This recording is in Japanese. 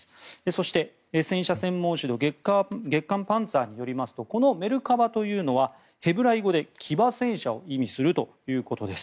そして、戦車専門誌の「月刊パンツァー」によりますとこのメルカバというのはヘブライ語で騎馬戦車を意味するということです。